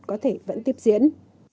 có thể vẫn tiếp diễn